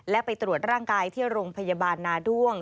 และไปตรวจร่างกายที่โรงพยาบาลนาด้วง